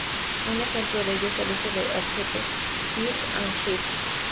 Un ejemplo de ello es el uso de objetivos "Tilt and Shift".